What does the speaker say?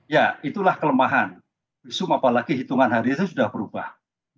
ya itulah kelemahan visum apalagi hitungan hari itu sudah berubah